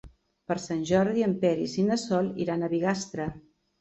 Per Sant Jordi en Peris i na Sol iran a Bigastre.